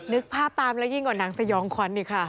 นึกภาพตามแล้วยิ่งกว่าหนังสยองขวัญอีกค่ะ